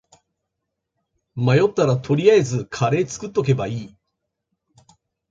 迷ったら取りあえずカレー作っとけばいい